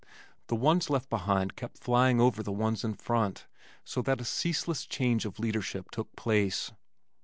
The ones left behind kept flying over the ones in front so that a ceaseless change of leadership took place.